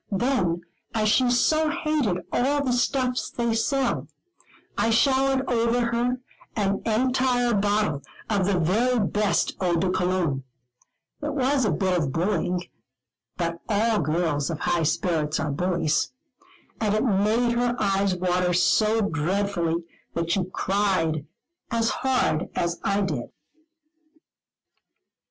Then, as she so hated all the stuffs they sell, I showered over her an entire bottle of the very best Eau de Cologne. It was a bit of bullying; but all girls of high spirit are bullies. And it made her eyes water so dreadfully, that she cried as hard as I did.